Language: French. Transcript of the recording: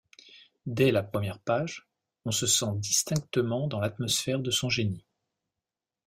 Dès la première page, on se sent distinctement dans l’atmosphère de son génie.